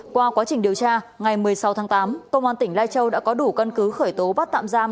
qua quá trình điều tra ngày một mươi sáu tháng tám công an tỉnh lai châu đã có đủ căn cứ khởi tố bắt tạm giam